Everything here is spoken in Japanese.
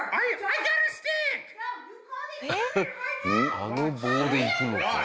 あの棒でいくのか。